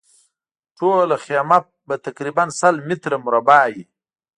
ټوله خیمه به تقریباً سل متره مربع وي.